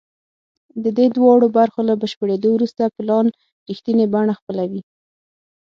د دې دواړو برخو له بشپړېدو وروسته پلان رښتینې بڼه خپلوي